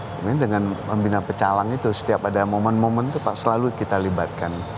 kemudian dengan membina pecalang itu setiap ada momen momen itu pak selalu kita libatkan